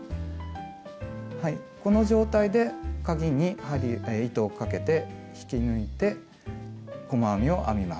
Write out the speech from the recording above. この状態でかぎに糸をかけて引き抜いて細編みを編みます。